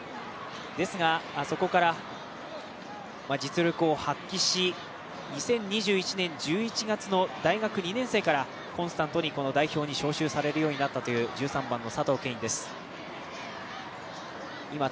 ですがそこから実力を発揮し、２０２１年１１月の大学２年生からコンスタントに代表に招集されるようになったという１３番の佐藤恵允です。